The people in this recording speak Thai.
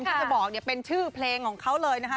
ที่จะบอกเนี่ยเป็นชื่อเพลงของเขาเลยนะคะ